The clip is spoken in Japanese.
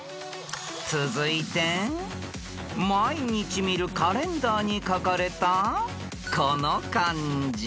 ［続いて毎日見るカレンダーに書かれたこの漢字］